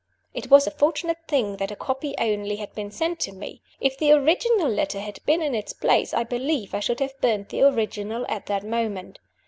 It was a fortunate thing that a copy only had been sent to me. If the original letter had been in its place, I believe I should have burned the original at that moment.